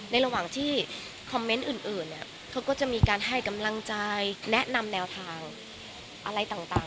ระหว่างที่คอมเมนต์อื่นเนี่ยเขาก็จะมีการให้กำลังใจแนะนำแนวทางอะไรต่าง